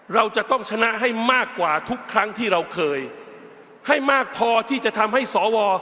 เราจะต้องชนะให้มากกว่าทุกครั้งที่เราเคยให้มากพอที่จะทำให้สว